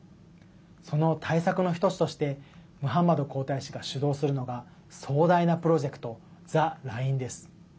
その対策の一つとしてムハンマド皇太子が主導するのが壮大なプロジェクト「ザ・ライン」です。